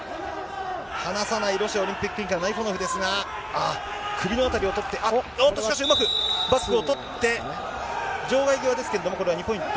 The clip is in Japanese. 離さない、ロシアオリンピック委員会、ナイフォノフですが、あっ、首のあたりを取って、しかしうまく、バックを取って、場外際ですけれども、これは２ポイント。